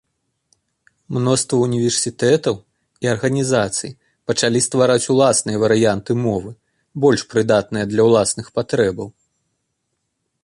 Мноства універсітэтаў і арганізацый пачалі ствараць уласныя варыянты мовы, больш прыдатная для ўласных патрэбаў.